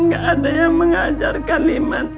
gak ada yang mengajar kalimat